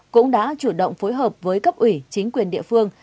cũng đã chủ động phối hợp với cấp ủy chính quyền địa phương